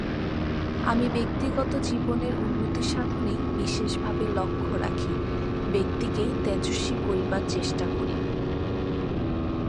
আমি ব্যক্তিগত জীবনের উন্নতিসাধনেই বিশেষভাবে লক্ষ্য রাখি, ব্যক্তিকেই তেজস্বী করিবার চেষ্টা করি।